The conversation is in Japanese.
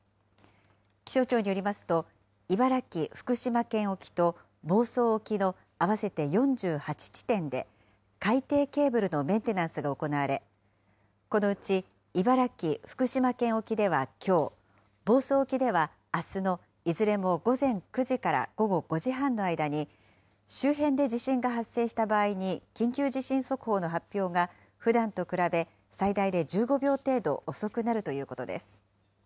気象庁によりますと、茨城・福島県沖と房総沖の合わせて４８地点で、海底ケーブルのメンテナンスが行われ、このうち茨城・福島県沖ではきょう、房総沖ではあすのいずれも午前９時から午後５時半の間に、周辺で地震が発生した場合に緊急地震速報の発表が、ふだんと比べ最大で１５秒程度遅くなるということです。